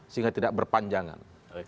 sehingga tidak berpanjangan